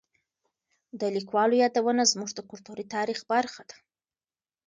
د لیکوالو یادونه زموږ د کلتوري تاریخ برخه ده.